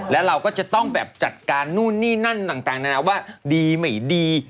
แล้วเราก็จะต้องแบบจัดการนู่นนี่นั่นต่างนานาว่าดีไม่ดี